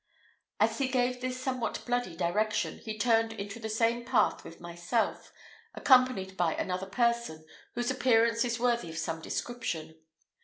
As he gave this somewhat bloody direction, he turned into the same path with myself, accompanied by another person, whose appearance is worthy of some description.